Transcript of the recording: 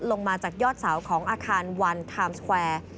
ลงมาจากยอดเสาของอาคารวันไทม์สแควร์